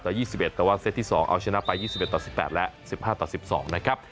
๒๑แต่ว่าเซตที่๒เอาชนะไป๒๑ต่อ๑๘และ๑๕ต่อ๑๒นะครับ